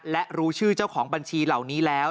และรู้ชื่อเจ้าของบัญชีเหล่านี้แล้ว